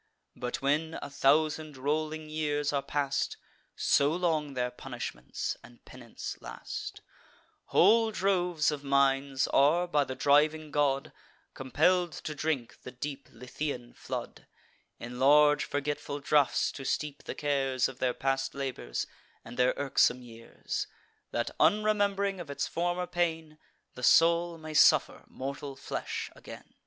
But, when a thousand rolling years are past, (So long their punishments and penance last,) Whole droves of minds are, by the driving god, Compell'd to drink the deep Lethaean flood, In large forgetful draughts to steep the cares Of their past labours, and their irksome years, That, unrememb'ring of its former pain, The soul may suffer mortal flesh again."